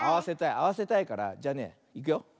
あわせたいからじゃあねいくよ。